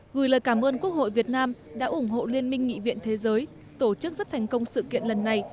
gửi lời cảm ơn quốc hội việt nam đã ủng hộ liên minh nghị viện thế giới tổ chức rất thành công sự kiện lần này